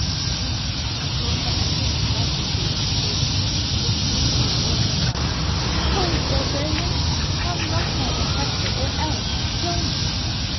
The instant she saw her efforts likely to be anticipated, she exclaimed, with all her might, "Hold, barbarian! Harm not my benefactor, or else kill me!"